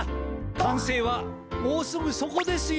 かんせいはもうすぐそこですよ！